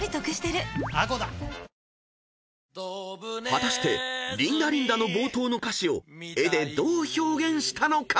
［果たして『リンダリンダ』の冒頭の歌詞を絵でどう表現したのか？］